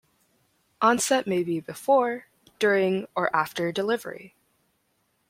Onset may be before, during, or after delivery.